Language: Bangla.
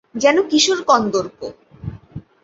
যেন কিশোর কন্দর্প!